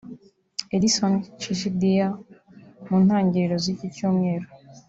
Edson Chidziya mu ntangiriro z’iki cyumweru